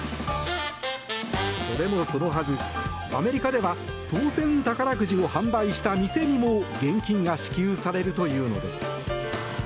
それもそのはず、アメリカでは当選宝くじを販売した店にも現金が支給されるというのです。